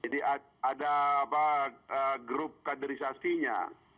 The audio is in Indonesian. jadi ada grup kaderisasinya